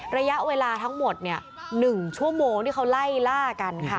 ระยะเวลาทั้งหมด๑ชั่วโมงที่เขาไล่ล่ากันค่ะ